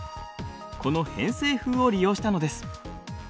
この偏西風を利用したのです。